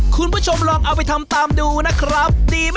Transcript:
คุณผู้ชมลองเอาไปทำตามดูนะครับดีไหม